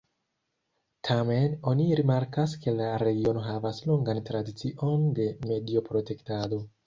Tamen oni rimarkas ke la regiono havas longan tradicion de medio-protektado.